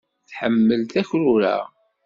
Tḥemmel takrura.